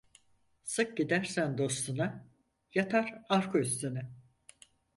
Sık gidersen dostuna, yatar arka üstüne.